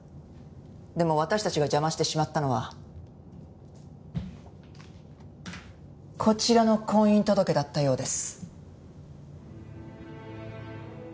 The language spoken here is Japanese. でも私たちが邪魔してしまったのはこちらの婚姻届だったようです。